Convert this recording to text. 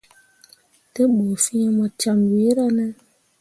Te bu fin mu camme wira ne.